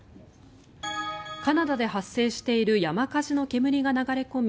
カナダで発生している山火事の煙が流れ込み